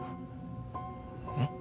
えっ？